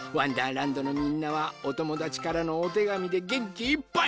らんど」のみんなはおともだちからのおてがみでげんきいっぱい！